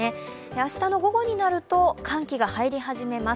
明日の午後になると寒気が入り始めます。